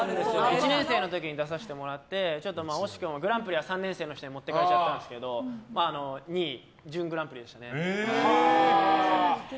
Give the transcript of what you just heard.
１年生の時に出させてもらって惜しくもグランプリは３年生の人に持っていかれちゃったんですけど２位で準グランプリでしたね。